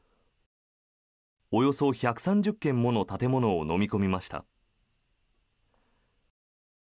およそ１３０軒もの建物をのみ込みました。